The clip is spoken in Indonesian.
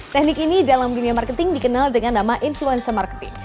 teknik ini dalam dunia marketing dikenal dengan nama influenza marketing